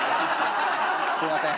すみません。